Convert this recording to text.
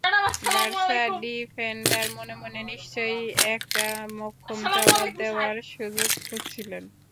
Barca defender মনে মনে নিশ্চয়ই একটা মোক্ষম জবাব দেওয়ার সুযোগ খুঁজছিলেন।